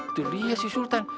itu dia si sultan